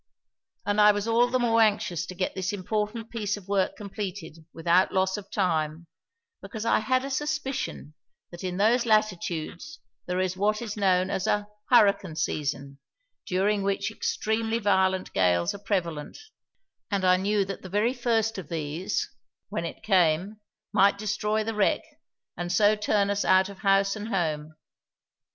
And I was all the more anxious to get this important piece of work completed without loss of time because I had a suspicion that in those latitudes there is what is known as a "hurricane season", during which extremely violent gales are prevalent, and I knew that the very first of these when it came might destroy the wreck and so turn us out of house and home.